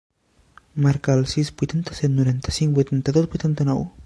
Marca el sis, vuitanta-set, noranta-cinc, vuitanta-dos, vuitanta-nou.